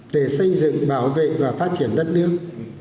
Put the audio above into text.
để xây dựng bảo vệ và phát triển đất nước